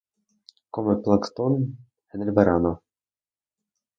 Come plancton en el verano.